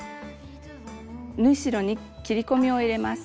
縫い代に切り込みを入れます。